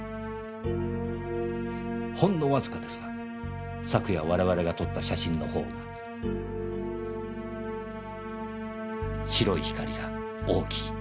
ほんのわずかですが昨夜我々が撮った写真のほうが白い光が大きい。